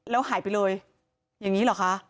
แล้วหายไปเลยอย่างนี้เหรอคะ